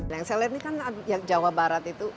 nah saya lihat nih kan jawa barat itu